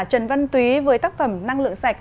trần văn túy với tác phẩm năng lượng sạch